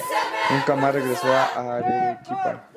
Nunca más regresó a Arequipa.